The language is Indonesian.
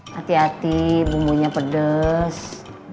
hati hati bumbunya pedes